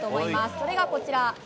それがこちら。